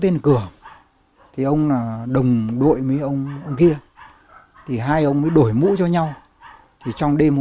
tên là cửa thì ông là đồng đội với ông kia thì hai ông mới đổi mũ cho nhau thì trong đêm